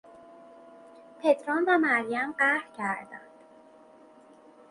پدرام و مریم قهر کردند.